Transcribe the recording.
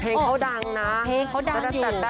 เพลงเขาดังนะเพลงเขาดัง